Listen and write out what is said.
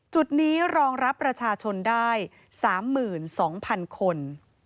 จุดนี้รองรับประชาชนได้๓๒๐๐๐คน